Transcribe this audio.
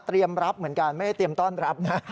รับเหมือนกันไม่ได้เตรียมต้อนรับนะ